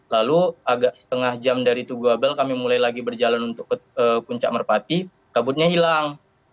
lalu agak setengah jam dari tugu abel kami mulai lagi berjalan untuk ke puncak merpati kabutnya hilang